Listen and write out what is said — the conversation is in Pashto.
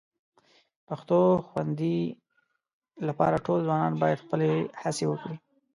پښتو خوندي لپاره ټول ځوانان باید خپلې هڅې وکړي